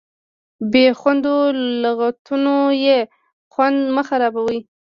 په بې خوندو لغتونو یې خوند مه خرابوئ.